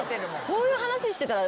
こういう話してたら。